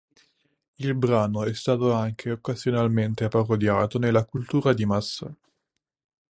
Il brano è stato anche occasionalmente parodiato nella cultura di massa.